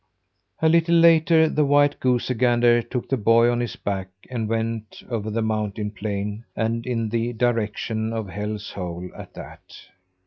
A little later the white goosey gander took the boy on his back and went over the mountain plain, and in the direction of Hell's Hole at that.